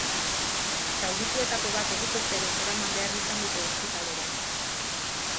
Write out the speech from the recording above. Zaurituetako bat helikopteroz eraman behar izan dute ospitalera.